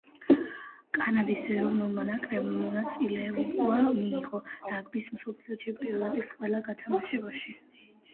კანადის ეროვნულმა ნაკრებმა მონაწილეობა მიიღო რაგბის მსოფლიო ჩემპიონატის ყველა გათამაშებაში.